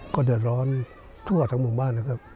ก็เดือดร้อนทั่วทั้งหมู่บ้านนะครับ